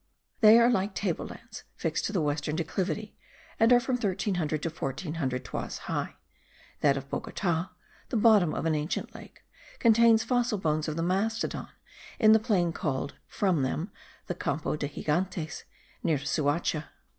They are like tablelands fixed to the western declivity, and are from 1300 to 1400 toises high; that of Bogota (the bottom of an ancient lake) contains fossil bones of the mastodon, in the plain called (from them) the Campo de Gigantes, near Suacha.